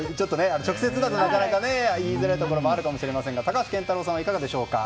直接だとはなかなか言いづらいところもあるかもしれませんが高橋健太郎さんはいかがでしょうか。